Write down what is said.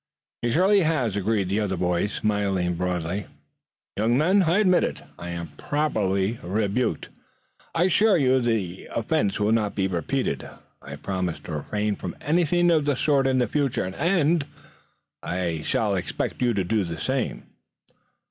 "He surely has," agreed the other boys smiling broadly. "Young men, I admit it. I am properly rebuked, and I assure you the offense will not be repeated. I promise to refrain from anything of the sort in the future, and I shall expect you to do the same."